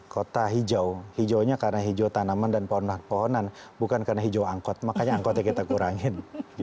kota hijau hijaunya karena hijau tanaman dan pohonan bukan karena hijau angkot makanya angkotnya kita kurangin